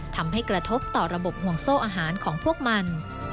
ทำให้กระทบต่อระบบห่วงโซ่อาหารของพวกมัน